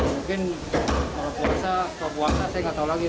mungkin kalau puasa saya tidak tahu lagi